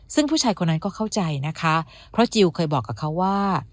ซึ่งผู้ชายคนนั้นก็เข้าใจนะคะเพราะจิลเคยบอกกับเขาว่า